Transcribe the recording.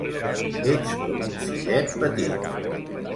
Ets com un fillet petit.